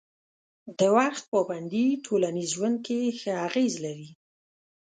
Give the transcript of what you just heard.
د وخت پابندي ټولنیز ژوند کې ښه اغېز لري.